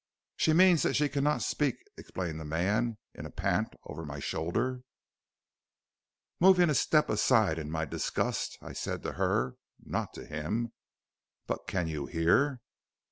"'She means that she cannot speak', explained the man, in a pant, over my shoulder. "Moving a step aside in my disgust, I said to her, not to him: "'But you can hear?'